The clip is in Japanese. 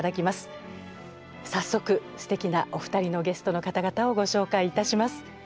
早速すてきなお二人のゲストの方々をご紹介いたします。